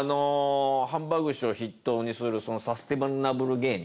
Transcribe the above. ハンバーグ師匠筆頭にするそのサスティナブル芸人。